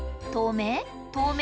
透明？